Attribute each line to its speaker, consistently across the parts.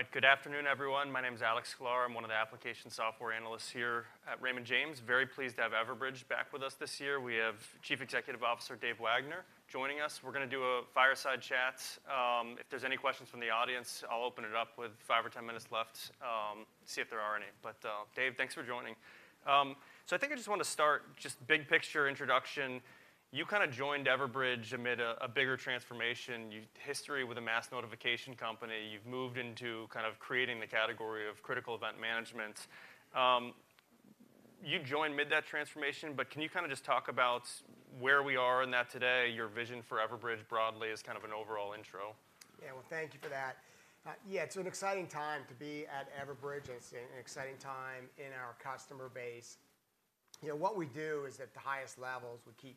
Speaker 1: All right. Good afternoon, everyone. My name is Alex Sklar. I'm one of the application software analysts here at Raymond James. Very pleased to have Everbridge back with us this year. We have Chief Executive Officer Dave Wagner joining us. We're gonna do a fireside chat. If there's any questions from the audience, I'll open it up with five or 10 minutes left, see if there are any. But Dave, thanks for joining. So I think I just want to start just big picture introduction. You kinda joined Everbridge amid a bigger transformation, history with a mass notification company. You've moved into kind of creating the category of critical event management. You joined mid that transformation, but can you kinda just talk about where we are in that today, your vision for Everbridge broadly as kind of an overall intro?
Speaker 2: Yeah. Well, thank you for that. Yeah, it's an exciting time to be at Everbridge. It's an exciting time in our customer base. You know, what we do is at the highest levels, we keep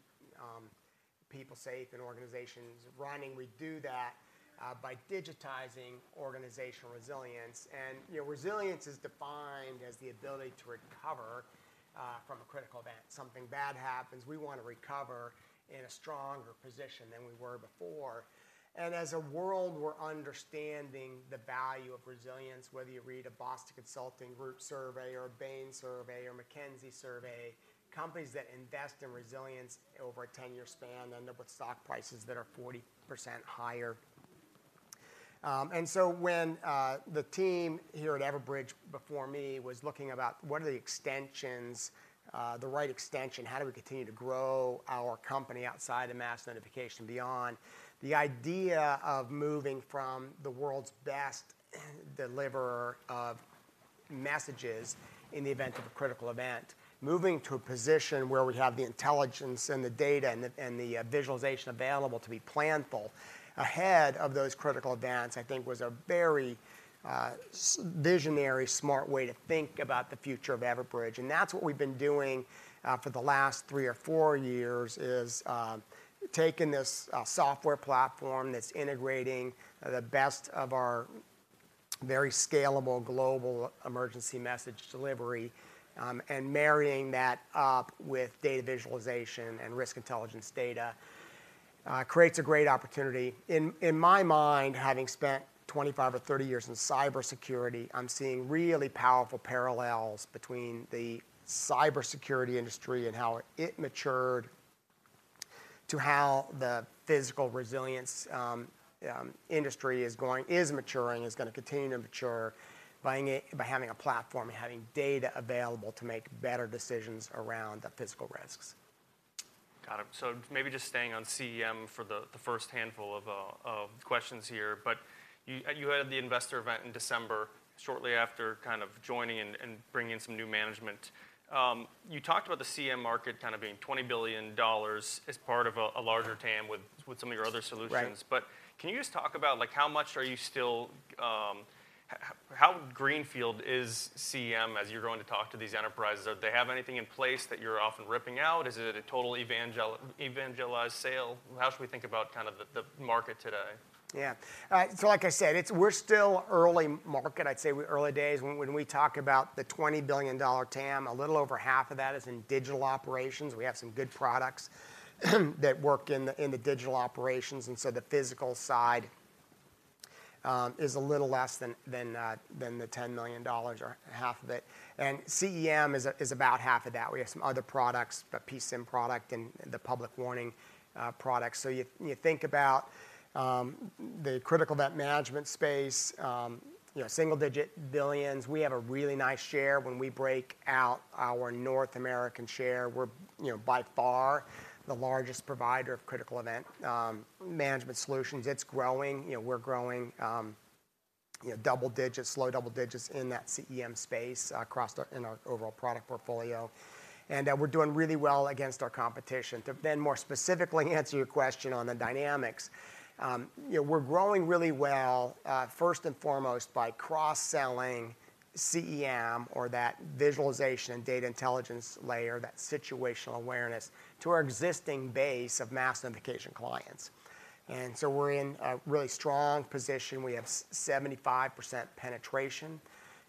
Speaker 2: people safe and organizations running. We do that by digitizing organizational resilience, and, you know, resilience is defined as the ability to recover from a critical event. Something bad happens, we want to recover in a stronger position than we were before. And as a world, we're understanding the value of resilience, whether you read a Boston Consulting Group survey or a Bain survey or McKinsey survey, companies that invest in resilience over a 10-year span end up with stock prices that are 40% higher. And so when the team here at Everbridge before me was looking about what are the extensions, the right extension, how do we continue to grow our company outside of mass notification and beyond, the idea of moving from the world's best deliverer of messages in the event of a critical event, moving to a position where we have the intelligence and the data and the visualization available to be planful ahead of those critical events, I think was a very visionary, smart way to think about the future of Everbridge. And that's what we've been doing for the last three or four years, is taking this software platform that's integrating the best of our very scalable global emergency message delivery, and marrying that up with data visualization and risk intelligence data, creates a great opportunity. In my mind, having spent 25 or 30 years in cybersecurity, I'm seeing really powerful parallels between the cybersecurity industry and how it matured to how the physical resilience industry is maturing, is gonna continue to mature, by having a platform, having data available to make better decisions around the physical risks.
Speaker 1: Got it. So maybe just staying on CEM for the first handful of questions here. But you had the investor event in December, shortly after kind of joining and bringing some new management. You talked about the CEM market kind of being $20 billion as part of a larger TAM with some of your other solutions.
Speaker 2: Right.
Speaker 1: But can you just talk about, like, how much are you still, how greenfield is CEM as you're going to talk to these enterprises? Do they have anything in place that you're often ripping out? Is it a total evangelized sale? How should we think about kind of the market today?
Speaker 2: Yeah. So like I said, it's early market. I'd say we're early days. When we talk about the $20 billion TAM, a little over half of that is in Digital Operations. We have some good products that work in the Digital Operations, and so the physical side is a little less than the $10 million or half of it. And CEM is about half of that. We have some other products, the PSIM product and the Public Warning product. So you think about the Critical Event Management space, you know, single-digit billions. We have a really nice share. When we break out our North American share, we're, you know, by far the largest provider of Critical Event Management solutions. It's growing, you know, we're growing, you know, double digits, slow double digits in that CEM space across in our overall product portfolio. We're doing really well against our competition. To then more specifically answer your question on the dynamics, you know, we're growing really well, first and foremost, by cross-selling CEM or that visualization and data intelligence layer, that situational awareness, to our existing base of mass notification clients. So we're in a really strong position. We have 75 percent penetration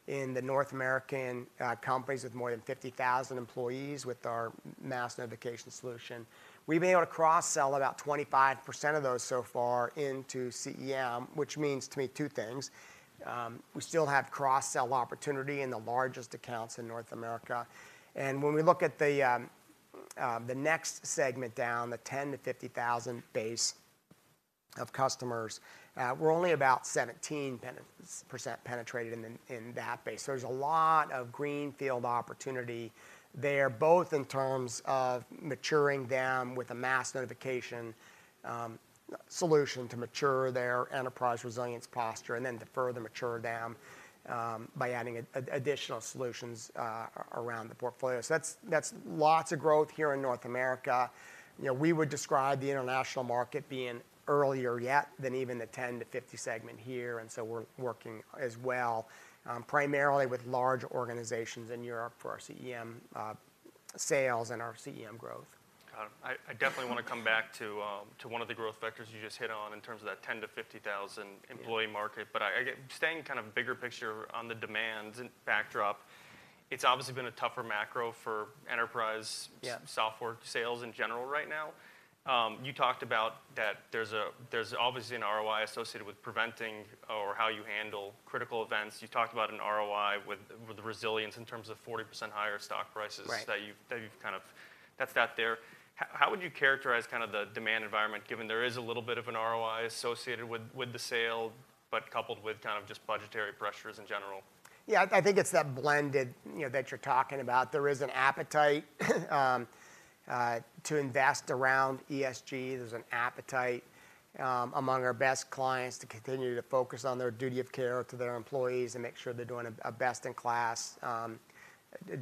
Speaker 2: in the North American companies with more than fifty thousand employees with our mass notification solution. We've been able to cross-sell about 25% of those so far into CEM, which means to me two things: We still have cross-sell opportunity in the largest accounts in North America, and when we look at the, the next segment down, the 10,000-50,000 base of customers, we're only about 17% penetrated in that base. So there's a lot of greenfield opportunity there, both in terms of maturing them with a mass notification solution to mature their enterprise resilience posture, and then to further mature them by adding additional solutions around the portfolio. So that's, that's lots of growth here in North America. You know, we would describe the international market being earlier yet than even the 10-50 segment here, and so we're working as well, primarily with large organizations in Europe for our CEM sales and our CEM growth.
Speaker 1: Got it. I definitely wanna come back to, to one of the growth vectors you just hit on in terms of that 10-50,000-
Speaker 2: Yeah...
Speaker 1: employee market. But I, I get—staying kind of bigger picture on the demand and backdrop.... It's obviously been a tougher macro for enterprise-
Speaker 2: Yeah
Speaker 1: - software sales in general right now. You talked about that there's a, there's obviously an ROI associated with preventing or how you handle critical events. You talked about an ROI with, with the resilience in terms of 40% higher stock prices-
Speaker 2: Right
Speaker 1: How would you characterize kind of the demand environment, given there is a little bit of an ROI associated with the sale, but coupled with kind of just budgetary pressures in general?
Speaker 2: Yeah, I think it's that blended, you know, that you're talking about. There is an appetite to invest around ESG. There's an appetite among our best clients to continue to focus on their duty of care to their employees and make sure they're doing a best-in-class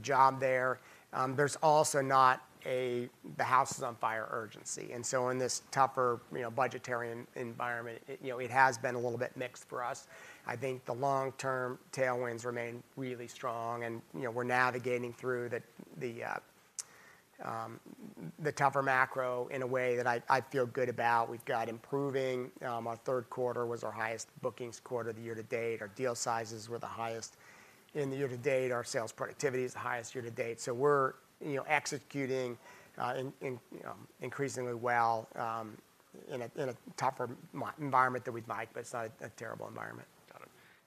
Speaker 2: job there. There's also not a "the house is on fire" urgency. And so in this tougher, you know, budgetary environment, it, you know, it has been a little bit mixed for us. I think the long-term tailwinds remain really strong, and, you know, we're navigating through the tougher macro in a way that I feel good about. We've got improving. Our third quarter was our highest bookings quarter of the year to date. Our deal sizes were the highest in the year to date. Our sales productivity is the highest year-to-date. So we're, you know, executing increasingly well in a tougher environment than we'd like, but it's not a terrible environment.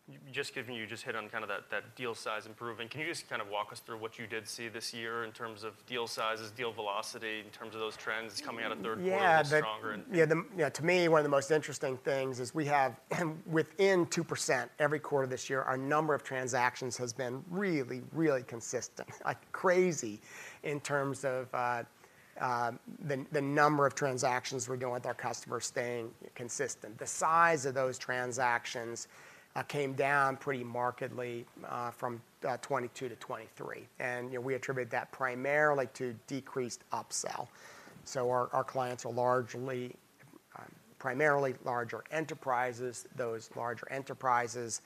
Speaker 1: Got it. Just giving you-- just hit on kind of that, that deal size improvement. Can you just kind of walk us through what you did see this year in terms of deal sizes, deal velocity, in terms of those trends coming out of third quarter stronger and-
Speaker 2: Yeah, Yeah, to me, one of the most interesting things is we have, within 2% every quarter this year, our number of transactions has been really, really consistent, like crazy, in terms of, the number of transactions we're doing with our customers staying consistent. The size of those transactions, came down pretty markedly, from, 2022 to 2023, and, you know, we attribute that primarily to decreased upsell. So our clients are largely, primarily larger enterprises. Those larger enterprises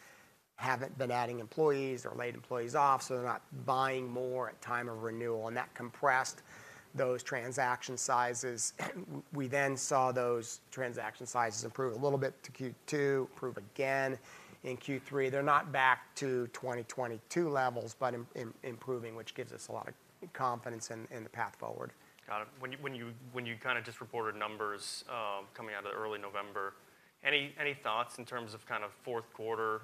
Speaker 2: haven't been adding employees or laid employees off, so they're not buying more at time of renewal, and that compressed those transaction sizes. We then saw those transaction sizes improve a little bit to Q2, improve again in Q3. They're not back to 2022 levels, but improving, which gives us a lot of confidence in, the path forward.
Speaker 1: Got it. When you kind of just reported numbers coming out of early November, any thoughts in terms of kind of fourth quarter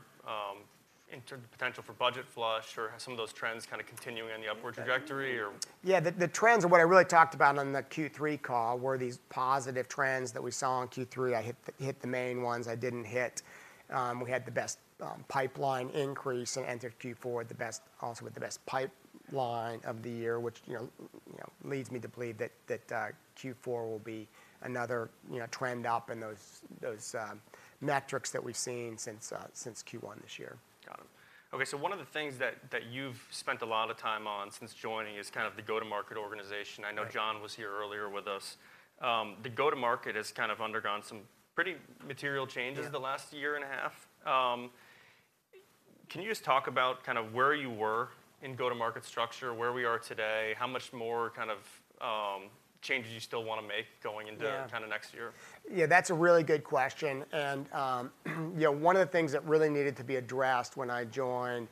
Speaker 1: in terms of potential for budget flush or some of those trends kind of continuing on the upward trajectory or?
Speaker 2: Yeah, the trends are what I really talked about on the Q3 call were these positive trends that we saw in Q3. I hit the main ones. I didn't hit, we had the best pipeline increase and entered Q4 with the best, also with the best pipeline of the year, which, you know, leads me to believe that, that Q4 will be another, you know, trend up in those, those metrics that we've seen since, since Q1 this year.
Speaker 1: Got it. Okay, so one of the things that you've spent a lot of time on since joining is kind of the go-to-market organization.
Speaker 2: Right.
Speaker 1: I know John was here earlier with us. The go-to-market has kind of undergone some pretty material changes.
Speaker 2: Yeah
Speaker 1: - the last year and a half. Can you just talk about kind of where you were in go-to-market structure, where we are today, how much more kind of changes you still want to make going into-
Speaker 2: Yeah
Speaker 1: - kind of next year?
Speaker 2: Yeah, that's a really good question. And, you know, one of the things that really needed to be addressed when I joined,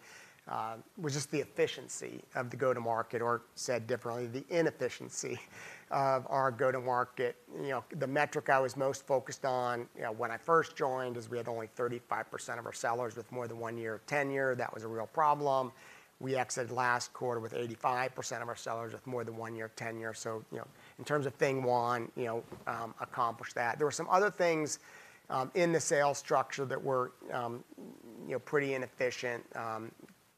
Speaker 2: was just the efficiency of the go-to-market, or said differently, the inefficiency of our go-to-market. You know, the metric I was most focused on, you know, when I first joined, was we had only 35% of our sellers with more than one year of tenure. That was a real problem. We exited last quarter with 85% of our sellers with more than one year of tenure. So, you know, in terms of thing one, you know, accomplished that. There were some other things, in the sales structure that were, you know, pretty inefficient.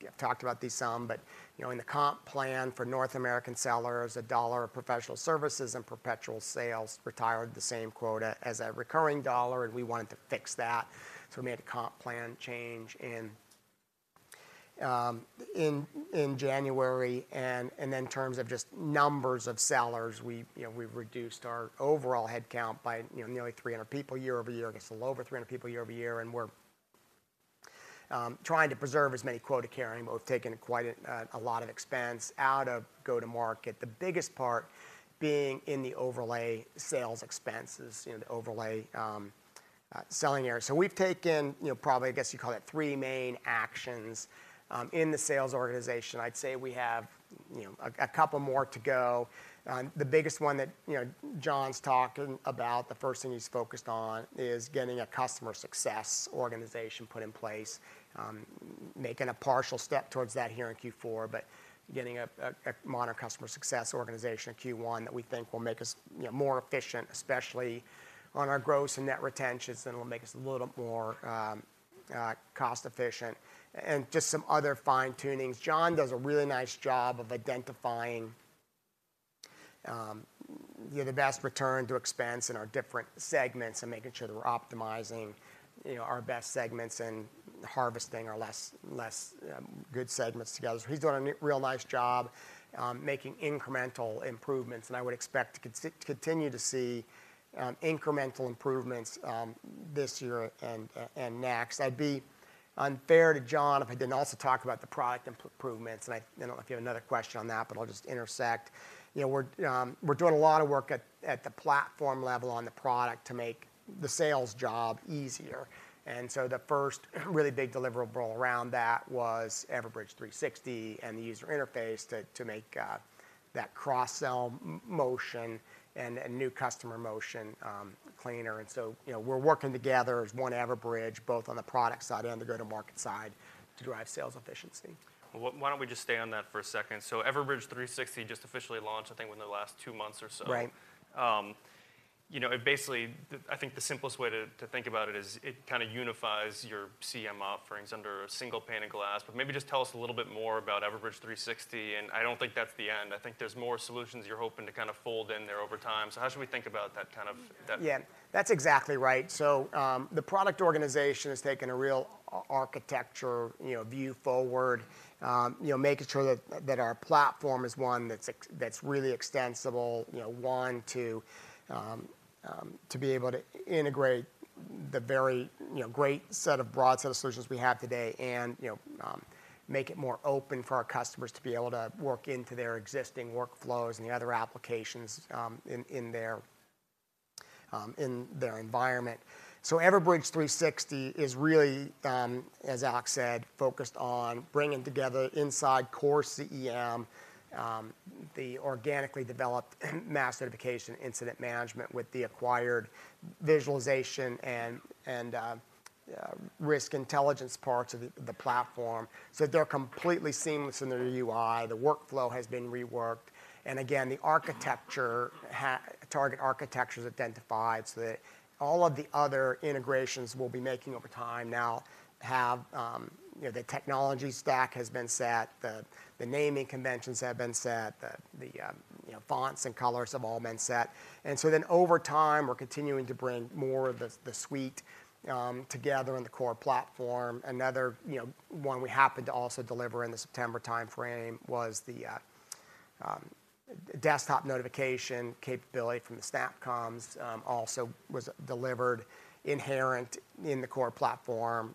Speaker 2: I've talked about these some, but, you know, in the comp plan for North American sellers, a dollar of professional services and perpetual sales retired the same quota as a recurring dollar, and we wanted to fix that. So we made a comp plan change in January. And then in terms of just numbers of sellers, we've, you know, we've reduced our overall headcount by, you know, nearly 300 people year-over-year. I guess, a little over 300 people year-over-year, and we're trying to preserve as many quota-carrying, but we've taken quite a lot of expense out of go-to-market. The biggest part being in the overlay sales expenses, you know, the overlay selling area. So we've taken, you know, probably, I guess you'd call it, three main actions in the sales organization. I'd say we have, you know, a couple more to go. The biggest one that, you know, John's talking about, the first thing he's focused on, is getting a customer success organization put in place. Making a partial step towards that here in Q4, but getting a modern customer success organization in Q1 that we think will make us, you know, more efficient, especially on our gross and net retentions, and it'll make us a little more cost efficient, and just some other fine-tunings. John does a really nice job of identifying, you know, the best return to expense in our different segments and making sure that we're optimizing, you know, our best segments and harvesting our less good segments together. So he's doing a real nice job, making incremental improvements, and I would expect to continue to see incremental improvements this year and next. I'd be unfair to John if I didn't also talk about the product improvements, and I don't know if you have another question on that, but I'll just intersect. You know, we're doing a lot of work at the platform level on the product to make the sales job easier. And so the first really big deliverable around that was Everbridge 360 and the user interface to make that cross-sell motion and new customer motion cleaner. And so, you know, we're working together as one Everbridge, both on the product side and on the go-to-market side, to drive sales efficiency.
Speaker 1: Well, why don't we just stay on that for a second? So Everbridge 360 just officially launched, I think, within the last two months or so.
Speaker 2: Right.
Speaker 1: You know, it basically... I think the simplest way to think about it is it kind of unifies your CEM offerings under a single pane of glass. But maybe just tell us a little bit more about Everbridge 360, and I don't think that's the end. I think there's more solutions you're hoping to kind of fold in there over time. So how should we think about that kind of, that-
Speaker 2: Yeah, that's exactly right. So, the product organization has taken a real architecture, you know, view forward, you know, making sure that our platform is one that's really extensible, you know, to be able to integrate the very, you know, great set of broad set of solutions we have today and, you know, make it more open for our customers to be able to work into their existing workflows and the other applications in their environment. So Everbridge 360 is really, as Alex said, focused on bringing together inside core CEM the organically developed mass notification incident management with the acquired visualization and risk intelligence parts of the platform. So they're completely seamless in their UI. The workflow has been reworked, and again, the target architecture is identified, so that all of the other integrations we'll be making over time now have, you know, the technology stack has been set, the fonts and colors have all been set. And so then over time, we're continuing to bring more of the suite together in the core platform. Another, you know, one we happened to also deliver in the September timeframe was the desktop notification capability from the SnapComms, also was delivered inherent in the core platform,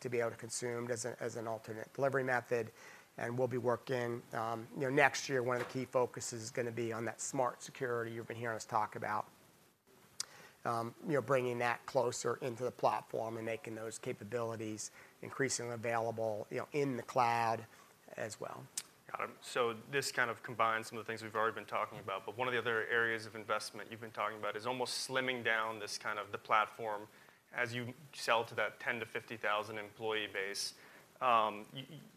Speaker 2: to be able to consume as an alternate delivery method, and we'll be working. You know, next year, one of the key focuses is gonna be on that smart security you've been hearing us talk about. You know, bringing that closer into the platform and making those capabilities increasingly available, you know, in the cloud as well.
Speaker 1: Got it. So this kind of combines some of the things we've already been talking about, but one of the other areas of investment you've been talking about is almost slimming down this kind of the platform as you sell to that 10,000-50,000-employee base.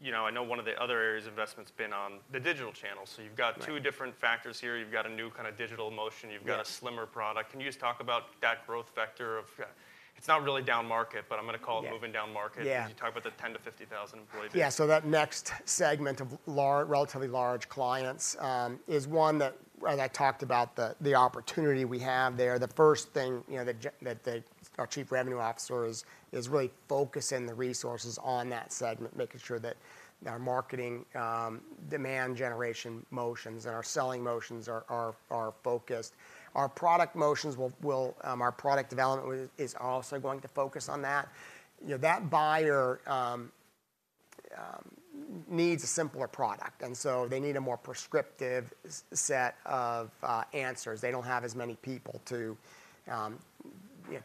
Speaker 1: You know, I know one of the other areas of investment's been on the digital channel.
Speaker 2: Right.
Speaker 1: So you've got two different factors here. You've got a new kind of digital motion-
Speaker 2: Yeah...
Speaker 1: you've got a slimmer product. Can you just talk about that growth vector of... It's not really downmarket, but I'm gonna call it-
Speaker 2: Yeah...
Speaker 1: moving downmarket-
Speaker 2: Yeah...
Speaker 1: as you talk about the 10-50,000 employee base.
Speaker 2: Yeah, so that next segment of relatively large clients is one that, as I talked about, the opportunity we have there. The first thing, you know, that our Chief Revenue Officer is really focusing the resources on that segment, making sure that our marketing, demand generation motions and our selling motions are focused. Our product development is also going to focus on that. You know, that buyer needs a simpler product, and so they need a more prescriptive set of answers. They don't have as many people to, you know,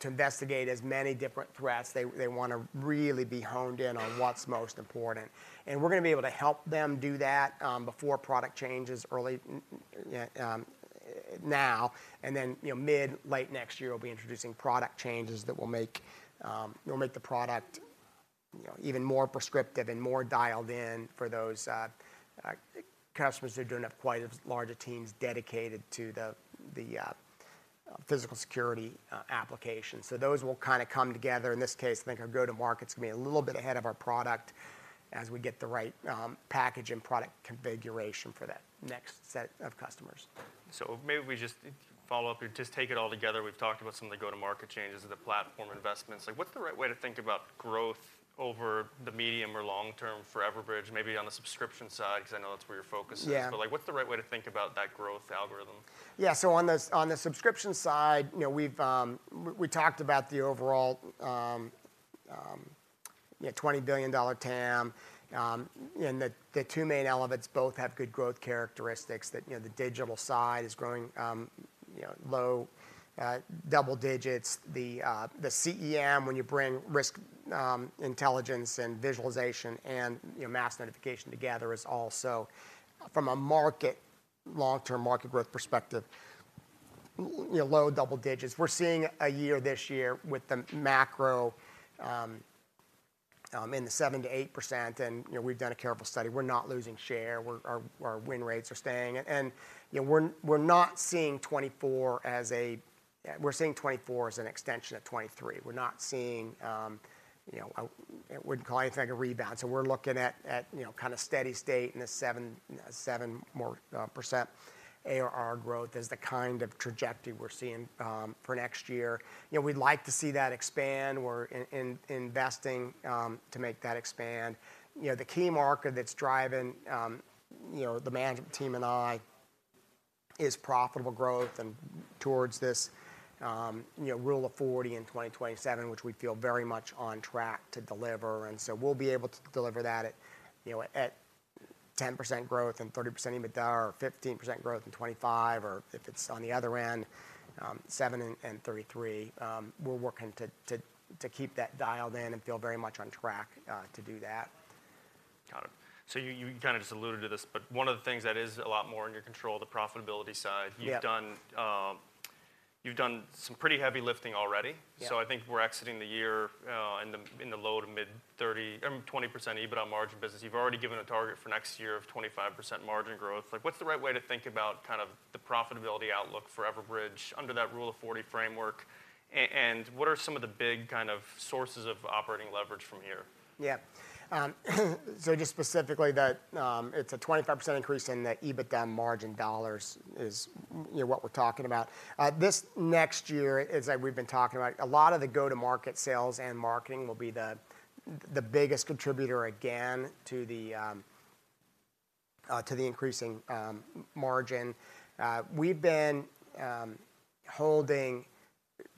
Speaker 2: to investigate as many different threats. They, they want to really be honed in on what's most important, and we're gonna be able to help them do that, before product changes early now, and then, you know, mid, late next year, we'll be introducing product changes that will make, will make the product, you know, even more prescriptive and more dialed in for those customers who don't have quite as large of teams dedicated to the physical security application. So those will kind of come together. In this case, I think our go-to-market's gonna be a little bit ahead of our product as we get the right package and product configuration for that next set of customers.
Speaker 1: Maybe we just follow up. Just take it all together. We've talked about some of the go-to-market changes and the platform investments. Like, what's the right way to think about growth over the medium or long term for Everbridge? Maybe on the subscription side, because I know that's where your focus is.
Speaker 2: Yeah.
Speaker 1: But, like, what's the right way to think about that growth algorithm?
Speaker 2: Yeah, so on the subscription side, you know, we've, we talked about the overall $20 billion TAM, and the two main elements both have good growth characteristics. That, you know, the digital side is growing, you know, low double digits. The CEM, when you bring risk intelligence and visualization and, you know, mass notification together, is also, from a market, long-term market growth perspective, you know, low double digits. We're seeing ARR this year with the macro in the 7%-8%, and, you know, we've done a careful study. We're not losing share. We're, our win rates are staying, and, you know, we're not seeing 2024 as a... We're seeing 2024 as an extension of 2023. We're not seeing, you know, I wouldn't call anything a rebound. So we're looking at, you know, kind of steady state in a 7% ARR growth as the kind of trajectory we're seeing for next year. You know, we'd like to see that expand. We're investing to make that expand. You know, the key market that's driving, you know, the management team and I is profitable growth and towards this, you know, Rule of Forty in 2027, which we feel very much on track to deliver, and so we'll be able to deliver that at, you know, at 10% growth and 30% EBITDA, or 15% growth in 2025, or if it's on the other end, 7% and 33%. We're working to keep that dialed in and feel very much on track to do that.
Speaker 1: Got it. So you kind of just alluded to this, but one of the things that is a lot more in your control, the profitability side-
Speaker 2: Yeah.
Speaker 1: You've done, you've done some pretty heavy lifting already.
Speaker 2: Yeah.
Speaker 1: So I think we're exiting the year in the low- to mid-30 20% EBITDA margin business. You've already given a target for next year of 25% margin growth. Like, what's the right way to think about kind of the profitability outlook for Everbridge under that Rule of 40 framework, and what are some of the big kind of sources of operating leverage from here?
Speaker 2: Yeah. So just specifically that, it's a 25% increase in the EBITDA margin dollars is, you know, what we're talking about. This next year, as like we've been talking about, a lot of the go-to-market sales and marketing will be the biggest contributor again, to the increasing margin. We've been holding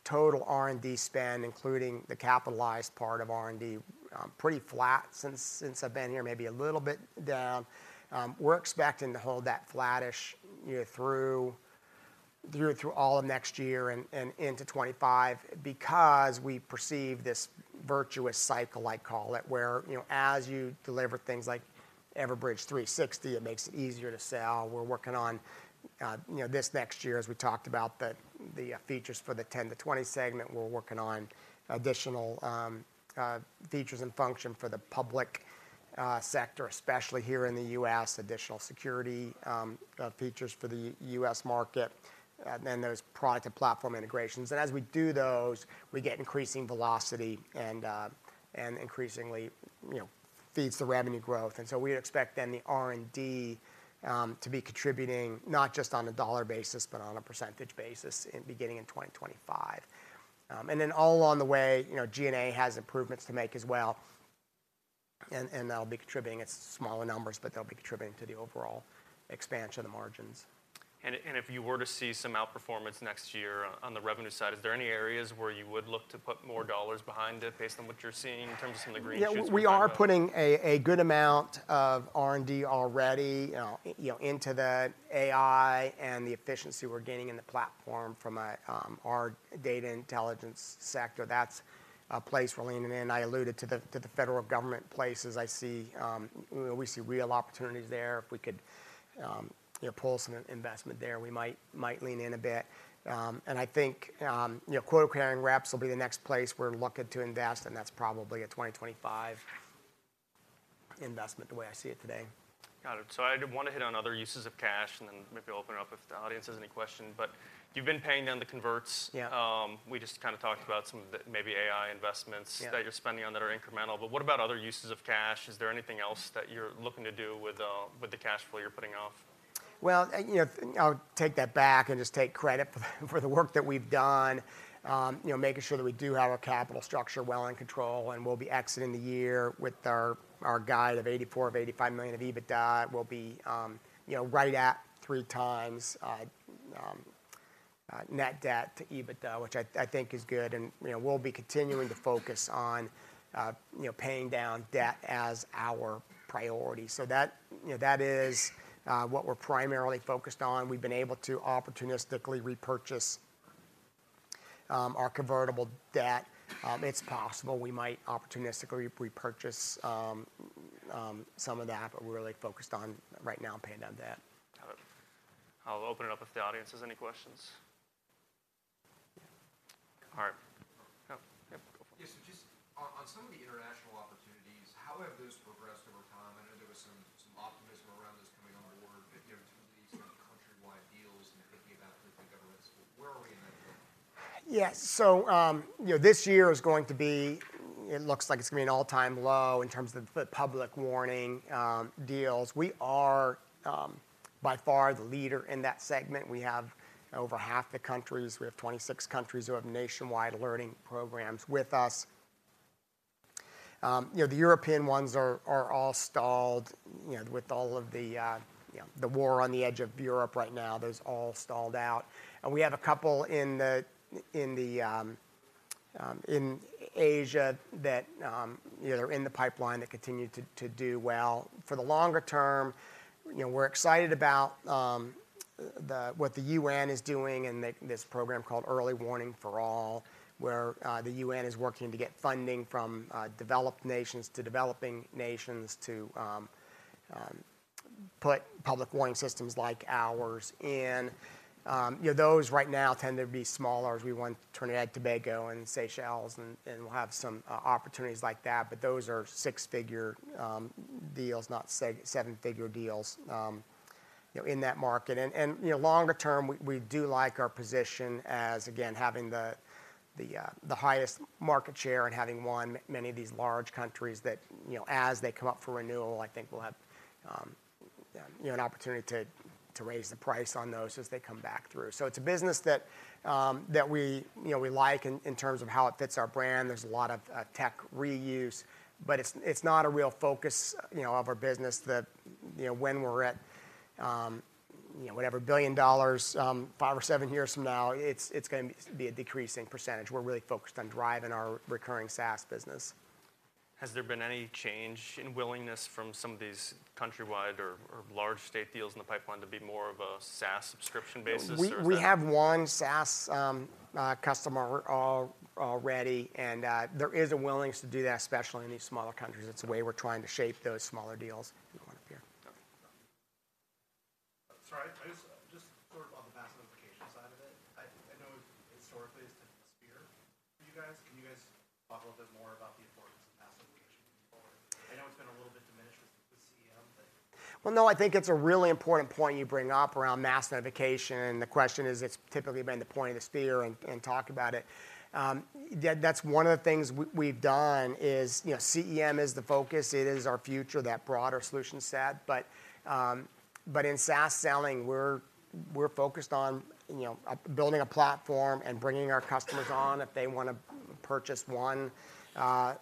Speaker 2: total R&D spend, including the capitalized part of R&D, pretty flat since I've been here, maybe a little bit down. We're expecting to hold that flattish, you know, through all of next year and into 2025 because we perceive this virtuous cycle, I call it, where, you know, as you deliver things like Everbridge 360, it makes it easier to sell. We're working on, you know, this next year, as we talked about, the features for the 10-20 segment. We're working on additional features and function for the public sector, especially here in the US, additional security features for the US market, then there's product and platform integrations. And as we do those, we get increasing velocity and increasingly, you know, feeds the revenue growth. And so we expect then the R&D to be contributing, not just on a dollar basis, but on a percentage basis beginning in 2025. And then all along the way, you know, G&A has improvements to make as well, and that'll be contributing. It's smaller numbers, but they'll be contributing to the overall expansion of the margins.
Speaker 1: If you were to see some outperformance next year on the revenue side, is there any areas where you would look to put more dollars behind it based on what you're seeing in terms of some of the green shoots?
Speaker 2: Yeah, we are putting a good amount of R&D already, you know, you know, into the AI and the efficiency we're gaining in the platform from our data intelligence sector. That's a place we're leaning in. I alluded to the federal government places. I see. We see real opportunities there. If we could, you know, pull some investment there, we might lean in a bit. And I think, you know, quota carrying reps will be the next place we're looking to invest, and that's probably a 2025 investment, the way I see it today.
Speaker 1: Got it. So I did want to hit on other uses of cash, and then maybe open it up if the audience has any questions. But you've been paying down the converts.
Speaker 2: Yeah.
Speaker 1: We just kind of talked about some of the maybe AI investments-
Speaker 2: Yeah
Speaker 1: - that you're spending on that are incremental, but what about other uses of cash? Is there anything else that you're looking to do with the cash flow you're putting off?
Speaker 2: Well, you know, I'll take that back and just take credit for the work that we've done, you know, making sure that we do have our capital structure well in control, and we'll be exiting the year with our guide of $84-$85 million of EBITDA. We'll be you know right at 3x net debt to EBITDA, which I think is good. And, you know, we'll be continuing to focus on you know paying down debt as our priority. So that, you know, that is what we're primarily focused on. We've been able to opportunistically repurchase our convertible debt. It's possible we might opportunistically repurchase some of that, but we're really focused on, right now, paying down debt.
Speaker 1: Got it. I'll open it up if the audience has any questions. All right. Yeah, yep, go for it.
Speaker 3: Yes, so just on some of the international opportunities, how have those progressed over time? I know there was some optimism around this coming on board, you know, some country-wide deals and thinking about different governments. Where are we in that space?
Speaker 2: Yeah. So, you know, this year is going to be... It looks like it's going to be an all-time low in terms of the public warning deals. We are, by far, the leader in that segment. We have over half the countries. We have 26 countries who have nationwide alerting programs with us. You know, the European ones are all stalled, you know, with all of the, you know, the war on the edge of Europe right now. Those are all stalled out. And we have a couple in Asia that, you know, are in the pipeline that continue to do well. For the longer term, you know, we're excited about what the UN is doing and make this program called Early Warnings for All, where the UN is working to get funding from developed nations to developing nations to put public warning systems like ours in. You know, those right now tend to be smaller. We won Trinidad and Tobago and Seychelles, and we'll have some opportunities like that, but those are six-figure deals, not seven-figure deals, you know, in that market. You know, longer term, we do like our position as, again, having the highest market share and having won many of these large countries that, you know, as they come up for renewal, I think we'll have, you know, an opportunity to raise the price on those as they come back through. So it's a business that we like in terms of how it fits our brand. There's a lot of tech reuse, but it's not a real focus, you know, of our business that, you know, when we're at, you know, whatever billion dollars, five or seven years from now, it's gonna be a decreasing percentage. We're really focused on driving our recurring SaaS business.
Speaker 1: Has there been any change in willingness from some of these countrywide or large state deals in the pipeline to be more of a SaaS subscription basis, or is that?
Speaker 2: We have one SaaS customer already, and there is a willingness to do that, especially in these smaller countries. It's the way we're trying to shape those smaller deals. One up here.
Speaker 1: Okay.
Speaker 4: Sorry, I just sort of on the mass notification side of it. I know historically, it's been the spearhead for you guys. Can you guys talk a little bit more about the importance of mass notification going forward? I know it's been a little bit diminished with CEM, but-
Speaker 2: Well, no, I think it's a really important point you bring up around mass notification, and the question is, it's typically been the point of the spear and talk about it. That's one of the things we've done is, you know, CEM is the focus. It is our future, that broader solution set. But, but in SaaS selling, we're focused on, you know, building a platform and bringing our customers on. If they wanna purchase one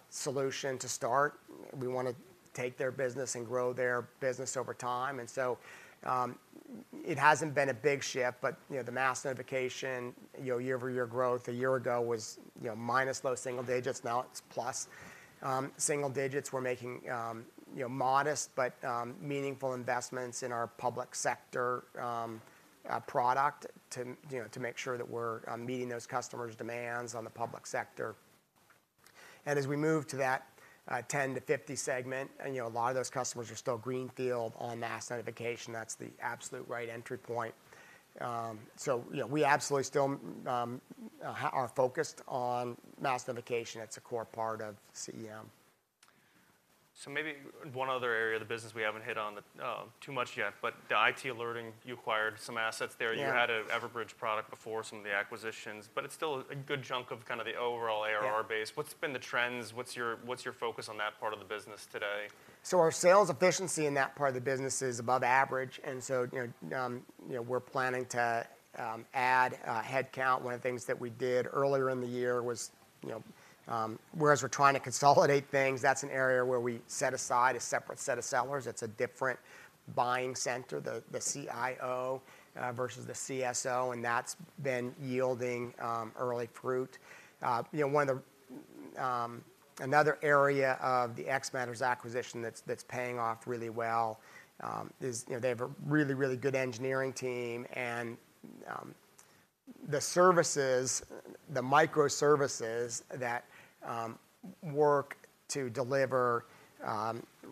Speaker 2: solution to start, we wanna take their business and grow their business over time. And so, it hasn't been a big shift, but, you know, the mass notification, you know, year-over-year growth a year ago was, you know, minus low single digits. Now, it's plus single digits. We're making, you know, modest but meaningful investments in our public sector product to, you know, to make sure that we're meeting those customers' demands on the public sector. And as we move to that 10-50 segment, and, you know, a lot of those customers are still greenfield on mass notification, that's the absolute right entry point. So, you know, we absolutely still are focused on mass notification. It's a core part of CEM.
Speaker 1: So maybe one other area of the business we haven't hit on too much yet, but the IT Alerting, you acquired some assets there.
Speaker 2: Yeah.
Speaker 1: You had an Everbridge product before some of the acquisitions, but it's still a good chunk of kind of the overall ARR base.
Speaker 2: Yeah.
Speaker 1: What's been the trends? What's your focus on that part of the business today?
Speaker 2: So our sales efficiency in that part of the business is above average, and so, you know, you know, we're planning to add headcount. One of the things that we did earlier in the year was, you know, whereas we're trying to consolidate things, that's an area where we set aside a separate set of sellers. It's a different buying center, the CIO versus the CSO, and that's been yielding early fruit. You know, one of the... Another area of the xMatters acquisition that's paying off really well is, you know, they have a really, really good engineering team. And the services, the microservices that work to deliver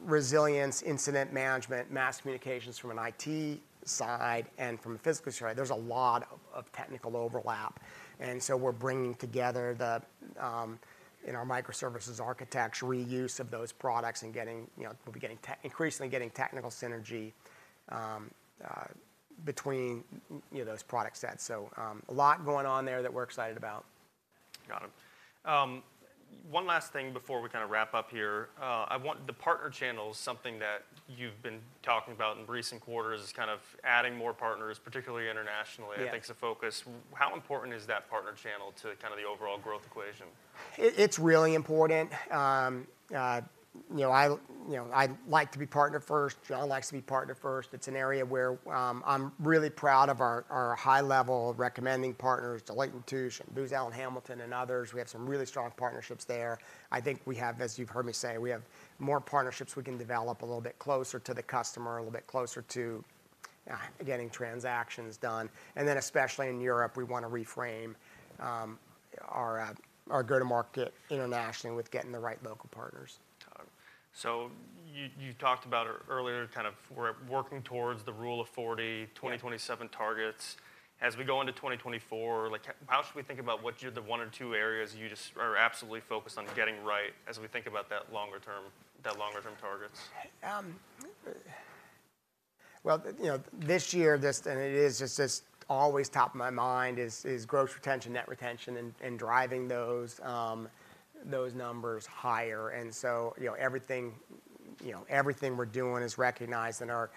Speaker 2: resilience, incident management, mass communications from an IT side and from a physical side, there's a lot of technical overlap. And so we're bringing together the in our microservices architecture, reuse of those products and getting, you know, we'll be getting increasingly technical synergy between, you know, those product sets. So, a lot going on there that we're excited about.
Speaker 1: Got it. One last thing before we kinda wrap up here. I want the partner channel is something that you've been talking about in recent quarters, is kind of adding more partners, particularly internationally-
Speaker 2: Yeah...
Speaker 1: I think, is the focus. How important is that partner channel to kind of the overall growth equation?
Speaker 2: It's really important. You know, you know, I'd like to be partner first. John likes to be partner first. It's an area where I'm really proud of our high level of recommending partners, Deloitte, Booz Allen Hamilton, and others. We have some really strong partnerships there. I think we have, as you've heard me say, we have more partnerships we can develop a little bit closer to the customer, a little bit closer to getting transactions done. And then, especially in Europe, we wanna reframe our go-to-market internationally with getting the right local partners.
Speaker 1: Got it. So you talked about earlier, kind of we're working towards the Rule of Forty-
Speaker 2: Yeah...
Speaker 1: 2027 targets. As we go into 2024, like, how should we think about what you're the one or two areas you just are absolutely focused on getting right, as we think about that longer term, the longer-term targets?
Speaker 2: Well, you know, this year, and it is just always top of my mind is Gross Retention, Net Retention, and driving those numbers higher. And so, you know, everything, you know, everything we're doing is recognizing our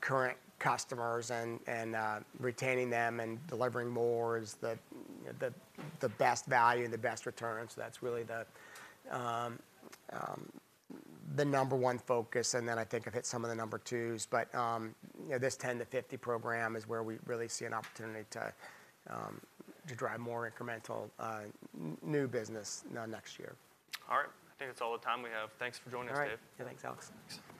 Speaker 2: current customers and retaining them and delivering more is the best value and the best return. So that's really the number one focus, and then I think I've hit some of the number twos. But, you know, this 10-50 program is where we really see an opportunity to drive more incremental new business now next year.
Speaker 1: All right. I think that's all the time we have. Thanks for joining us, Dave.
Speaker 2: All right. Yeah, thanks, Alex. Thanks.